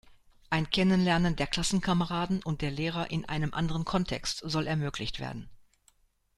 Ein Kennenlernen der Klassenkameraden und der Lehrer in einem anderen Kontext soll ermöglicht werden.